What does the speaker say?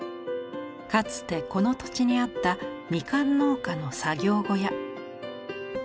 かつてこの土地にあったみかん農家の作業小屋。